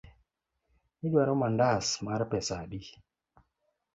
Iduaro mandas mar pesa adi?